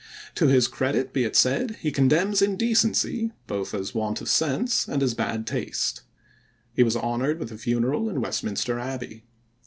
To his credit be it said, he condemns indecency, both as want of sense and bad taste. He was honored with a funeral in Westminster Abbey.